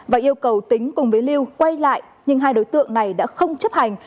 và yêu cầu tính cùng với lưu quay lại nhưng hai đối tượng này đã không chấp hành